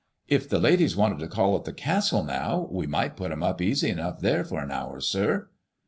" If the ladies wanted to call at the castle now, we might put 'em up easy enough there for an hour, sir."